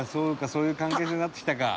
そういう関係になってきたか」